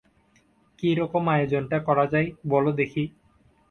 কী রকম আয়োজনটা করা যায় বলো দেখি।